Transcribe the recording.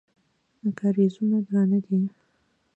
کارېزونه درانه دي.